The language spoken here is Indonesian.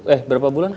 eh berapa bulan